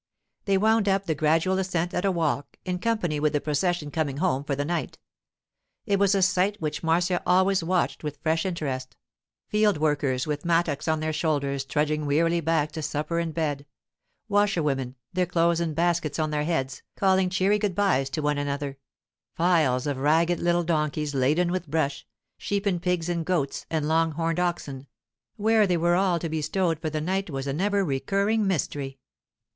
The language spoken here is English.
They wound up the gradual ascent at a walk, in company with the procession coming home for the night. It was a sight which Marcia always watched with fresh interest: field workers with mattocks on their shoulders trudging wearily back to supper and bed; washerwomen, their clothes in baskets on their heads, calling cheery good byes to one another; files of ragged little donkeys laden with brush, sheep and pigs and goats, and long horned oxen—where they were all to be stowed for the night was an ever recurring mystery.